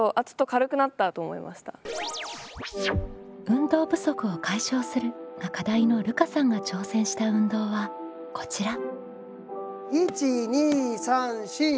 「運動不足を解消する」が課題のるかさんが挑戦した運動はこちら。